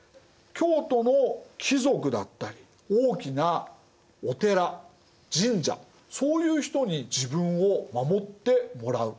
京都の貴族だったり大きなお寺神社そういう人に自分を守ってもらう。